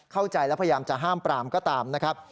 เข้าใจแล้วพยายามจะห้ามปรามก็ตามนะครับ